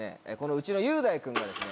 うちの雄大君がですね